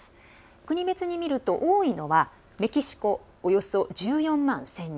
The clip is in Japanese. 国別に見ると、多いのはメキシコおよそ１４万１０００人。